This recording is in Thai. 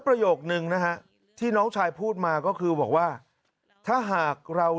ประโยคนึงนะฮะที่น้องชายพูดมาก็คือบอกว่าถ้าหากเรา